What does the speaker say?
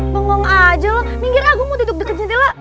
bengong aja lo minggir ah gua mau duduk deketin dia lo